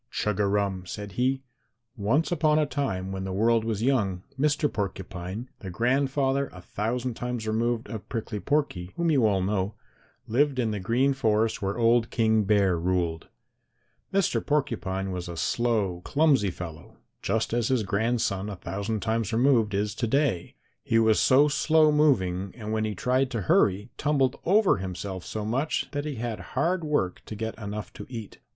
"Chug a rum!" said he. "Once upon a time when the world was young, Mr. Porcupine, the grandfather a thousand times removed of Prickly Porky, whom you all know, lived in the Green Forest where old King Bear ruled. Mr. Porcupine was a slow clumsy fellow, just as his grandson a thousand times removed is to day. He was so slow moving, and when he tried to hurry tumbled over himself so much, that he had hard work to get enough to eat.